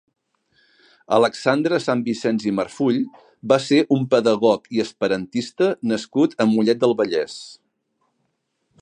Alexandre Sanvisens i Marfull va ser un pedagog i esperantista nascut a Mollet del Vallès.